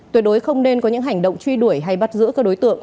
tuyệt đối không nên có những hành động truy đuổi hay bắt giữ các đối tượng